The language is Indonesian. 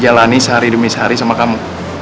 jalani sehari demi sehari sama kamu